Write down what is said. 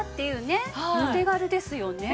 お手軽ですよね。